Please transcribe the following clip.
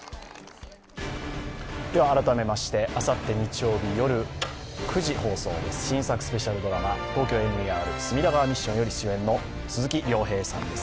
改めまして、あさって日曜日夜９時放送です、新作スペシャルドラマ「ＴＯＫＹＯＭＥＲ隅田川ミッション」より主演の鈴木亮平さんです。